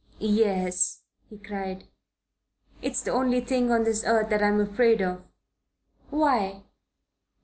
"Yes," he cried. "It's the only thing on this earth that I'm afraid of." "Why?"